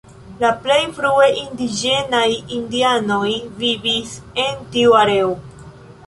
La plej frue indiĝenaj indianoj vivis en tiu areo.